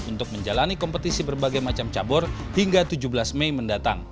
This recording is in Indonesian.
untuk menjalani kompetisi berbagai macam cabur hingga tujuh belas mei mendatang